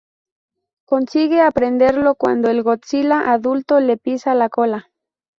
Consigue aprenderlo cuando el Godzilla adulto le pisa la cola.